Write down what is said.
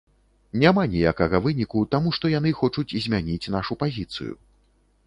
Няма ніякага выніку, таму што яны хочуць змяніць нашу пазіцыю.